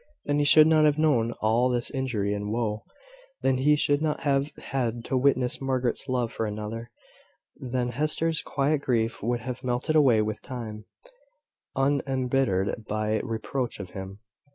Then he should not have known of all this injury and woe; then he should not have had to witness Margaret's love for another: then Hester's quiet grief would have melted away with time, unembittered by reproach of him.